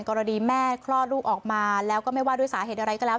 กรณีแม่คลอดลูกออกมาแล้วก็ไม่ว่าด้วยสาเหตุอะไรก็แล้ว